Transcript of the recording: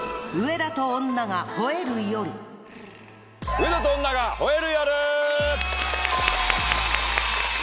『上田と女が吠える夜』！